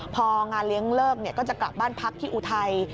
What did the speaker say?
พองานเลี้ยงเลิกก็จะกลับบ้านพักที่อุทัย